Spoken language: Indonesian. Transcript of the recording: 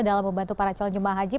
dalam membantu para calon jemaah haji